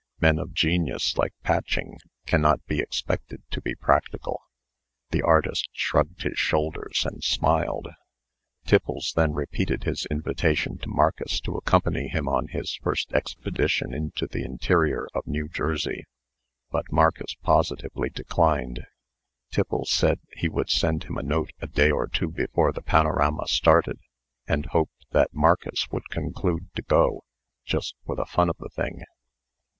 Men of genius, like Patching, cannot be expected to be practical." The artist shrugged his shoulders, and smiled. Tiffles then repeated his invitation to Marcus to accompany him on his first expedition into the interior of New Jersey; but Marcus positively declined. Tiffles said he would send him a note a day or two before the panorama started, and hoped that Marcus would conclude to go, just for the fun of the thing.